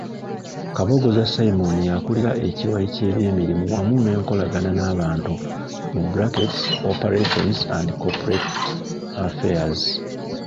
Kabogoza Simon y’akulira ekiwayi ky’eby'emirimu wamu n’enkolagana n’abantu (Operations and Cooperate Affairs).